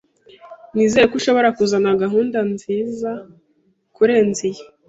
Nizere ko ushobora kuzana gahunda nziza kurenza iyi.